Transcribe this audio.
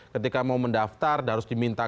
ketika mau mendaftar harus diminta